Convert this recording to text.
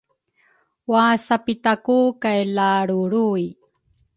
wasapitaku kay lalrulruy.